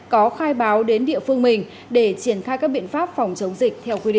có khai báo đến địa phương mình để triển khai các biện pháp phòng chống dịch theo quy định